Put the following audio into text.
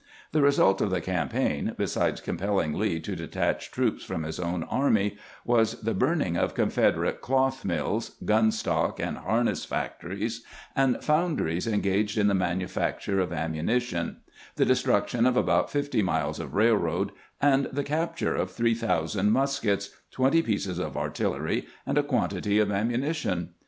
The result of the campaign, besides compell 236 CAMPAIGNING "WITH GEANT ing Lee to detach troops from his own army, was the burning of Confederate cloth mills, gun stock and har ness factories, and foundries engaged in the manufac ture of ammunition, the destruction of about fifty miles of railroad, and the capture of three thousand muskets, twenty pieces of artillery, and a quantity of ammuni tion.